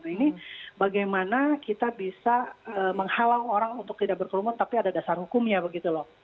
ini bagaimana kita bisa menghalau orang untuk tidak berkerumun tapi ada dasar hukumnya begitu loh